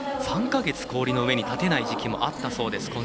３か月、氷の上に立てない時期もあったそうです。